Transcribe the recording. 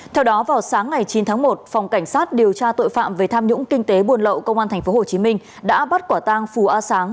theo đó vào sáng ngày chín tháng một phòng cảnh sát điều tra tội phạm về tham nhũng kinh tế buồn lậu công an tp hcm đã bắt quả tang phù a sáng